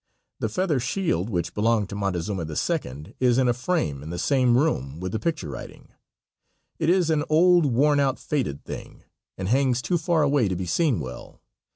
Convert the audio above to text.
The feather shield which belonged to Montezuma II., is in a frame in the same room with the picture writing. It is an old, worn out, faded thing, and hangs too far away to be seen well.